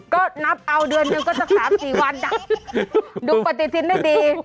ก็นับเอาเดือนหนึ่งก็จะสามสี่วันดูปฏิทิตย์ได้ดี